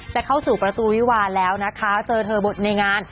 จะเข้าสู่ประตูวิวาแล้วนะคะเจอเธอในงาน